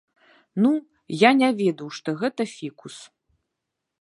Ну, я не ведаў, што гэта фікус.